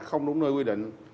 không đúng nơi quy định